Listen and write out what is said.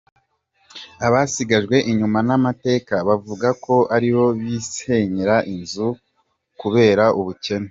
Abasigajwe inyuma n’amateka bavuga ko aribo bisenyera izi nzu kubera ubukene.